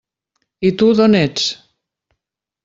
I tu, d'on ets?